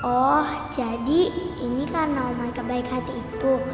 oh jadi ini karena om anka baik hati itu